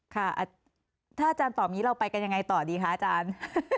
ค่ะถ้าอาจารย์ตอบนี้เราไปกันยังไงต่อดีคะอาจารย์